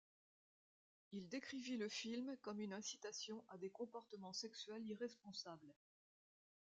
Il décrivit le film comme une incitation à des comportements sexuels irresponsables.